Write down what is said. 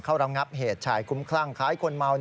เข้ารังงับเหตุฉายกุมครั่งคลายคนเมา